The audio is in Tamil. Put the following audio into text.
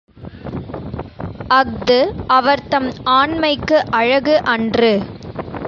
அஃது அவர்தம் ஆண்மைக்கு அழகு அன்று.